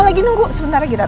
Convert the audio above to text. lagi nunggu sebentar lagi datang